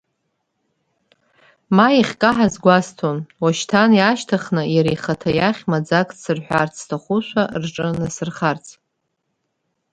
Ма иахькаҳаз гәасҭон, уашьҭан иаашьҭыхны иара ихаҭа иахь маӡак дсырҳәарц сҭахушәа рҿы насырхарц.